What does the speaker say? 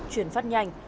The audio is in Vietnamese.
chuyển phát nhanh